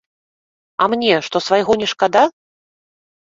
А мне, што свайго не шкада?